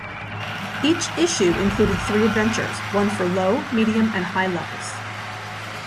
Each issue included three adventures, one each for low, medium, and high levels.